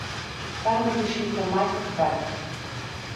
Там разышліся маці з бацькам.